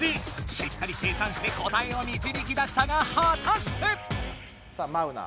しっかり計算して答えをみちびき出したがはたして⁉さあマウナ。